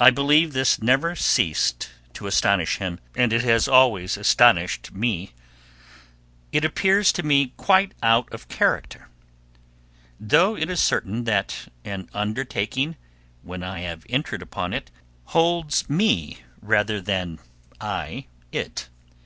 I believe this never ceased to astonish him, and it has always astonished me; it appears to me quite out of character; though it is certain that an undertaking, when I have entered upon it, holds me rather than I it.